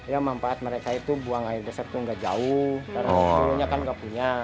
ya manfaat mereka itu buang air deser tuh gak jauh karena sebelumnya kan gak punya